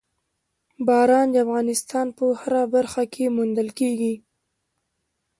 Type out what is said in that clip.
باران د افغانستان په هره برخه کې موندل کېږي.